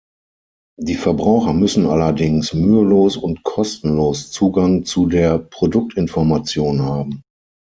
Die Verbraucher müssen allerdings mühelos und kostenlos Zugang zu der Produktinformation haben.